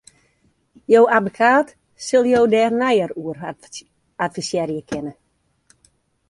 Jo abbekaat sil jo dêr neier oer advisearje kinne.